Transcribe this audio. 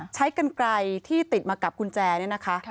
ใช้กันไกลที่ติดมากับกุญแจเนี่ยนะคะ